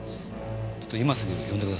ちょっと今すぐ呼んでください。